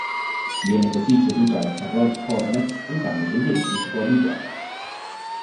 Viene così ceduto ai Charlotte Hornets in cambio dei diritti su Kobe Bryant.